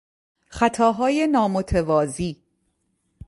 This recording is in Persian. خطهای نامتوازی